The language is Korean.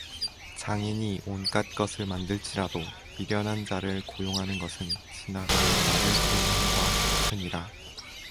장인이 온갖 것을 만들지라도 미련한 자를 고용하는 것은 지나가는 자를 고용함과 같으니라